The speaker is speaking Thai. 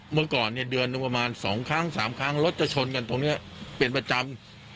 เมื่อก่อนเนี่ยเดือนหนึ่งประมาณ๒ครั้ง๓ครั้งรถจะชนกันตรงนี้เป็นประจำ